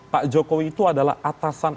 pak jokowi itu adalah atasan